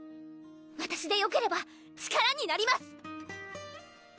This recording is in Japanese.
わたしでよければ力になります！